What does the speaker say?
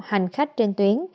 hành khách trên tuyến